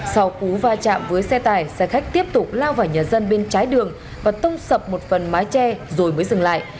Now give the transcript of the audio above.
sau cú va chạm với xe tải xe khách tiếp tục lao vào nhà dân bên trái đường và tông sập một phần mái tre rồi mới dừng lại